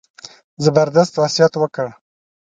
زبردست وصیت وکړ.